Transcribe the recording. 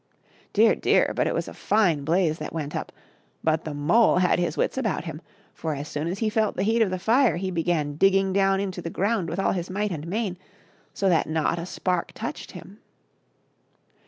Dear, dear, but it was a fine blaze that went up, but the mole had his wits about him ; for as soon as he felt the heat of the fire he began digging down into the ground with all his might and main, so that not a spark touched him.